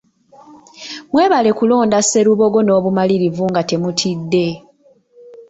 Mwebale kulonda Sserubogo n’obumalirivu nga temutidde.